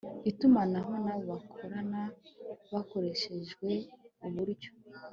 itumanaho n abo bakorana hakoreshejwe uburyo